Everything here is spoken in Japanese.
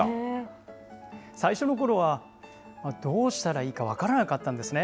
最初のころはどうしたらいいか分からなかったんですね。